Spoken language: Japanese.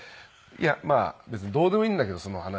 いやまあ別にどうでもいいんだけどその話。